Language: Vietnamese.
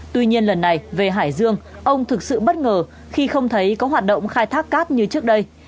tuy nhiên lần này về hải dương ông thực sự bất ngờ khi không thấy có hoạt động khai thác cát như trước đây